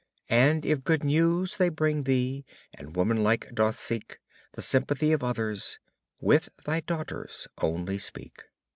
And if good news they bring thee, and woman like dost seek The sympathy of others, with thy daughters only speak.